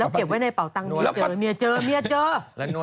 แล้วเก็บไว้ในเป่าตังค์มีเจอแล้วนวด